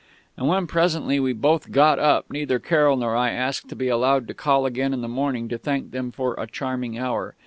And when presently we both got up neither Carroll nor I asked to be allowed to call again in the morning to thank them for a charming hour....